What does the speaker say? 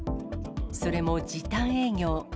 それも時短営業。